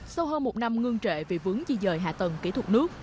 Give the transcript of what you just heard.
sau hơn một năm ngưng trệ vì vướng di dời hạ tầng kỹ thuật nước